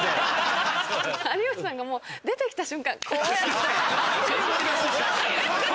有吉さんがもう出てきた瞬間こうやって。